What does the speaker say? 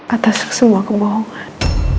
atas semua kebohongan